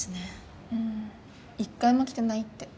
うん一回も来てないって。